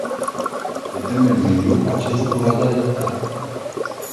Pe termen mediu, acest lucru va da rezultate.